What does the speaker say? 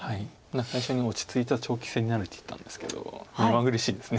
最初に落ち着いた長期戦になるって言ったんですけど目まぐるしいです。